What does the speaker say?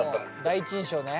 第一印象ね。